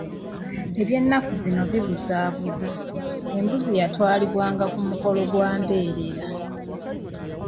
Eby'ennaku zino bibuzaabuza, embuuzi yatwalibwanga ku mukolo gwa mbeerera.